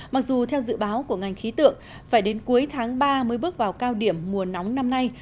mặc dù theo dự báo của ngành khí tượng phải đến cuối tháng ba mới bước vào cao điểm mùa nóng năm nay